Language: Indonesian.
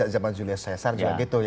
zaman julius cesar juga gitu ya